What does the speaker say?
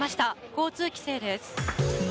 交通規制です。